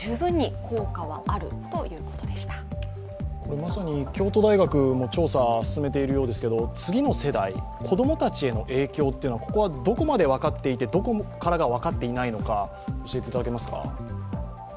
まさに京都大学も調査を進めているようですが次の世代、子供たちへの影響は、ここはどこまで分かっていて、どこからが分かっていないのか、教えていただけますか？